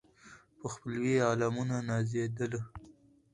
په خپلوي یې عالمونه نازېدله